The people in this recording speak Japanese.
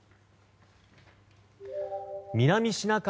南シナ海